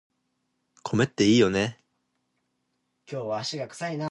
米っていいよね